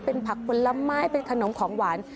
เป็นผักผลไม้เป็นขนมของหวาน